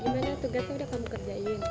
gimana tugasnya udah kamu kerjain